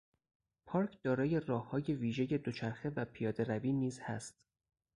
پارک دارای راههای ویژهی دوچرخه و پیادهروی نیز هست.